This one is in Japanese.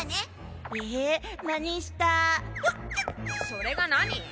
それが何？